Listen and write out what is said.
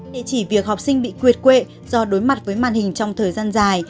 để chỉ việc học sinh bị quyệt quệ do đối mặt với màn hình trong thời gian dài